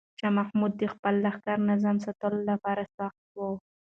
شاه محمود د خپل لښکر نظم ساتلو لپاره سخت و.